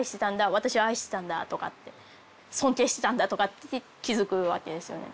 私は愛してたんだ」とかって「尊敬してたんだ」とかって気付くわけですよね。